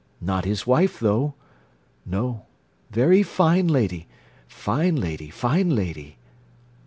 Not his wife, though. No. Very fine lady! Fine lady, fine lady!"